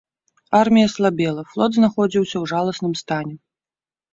Армія слабела, флот знаходзіўся ў жаласным стане.